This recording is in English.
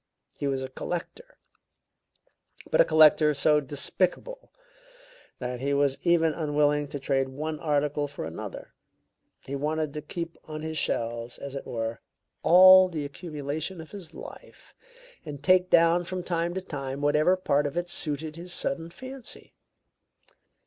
He was a collector, but a collector so despicable that he was even unwilling to trade one article for another. He wanted to keep on his shelves, as it were, all the accumulation of his life, and take down from time to time whatever part of it suited his sudden fancy.